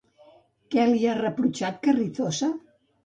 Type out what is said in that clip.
Què li ha reprotxat Carrizosa?